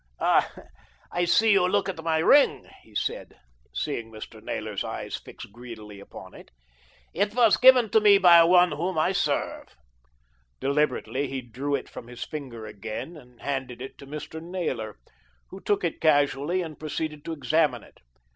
"Ah! I see you look at my ring," he said, seeing Mr. Naylor's eyes fix greedily upon it. "It was given to me by one whom I serve." Deliberately he drew it from his finger again and handed it to Mr. Naylor, who took it casually and proceeded to examine it.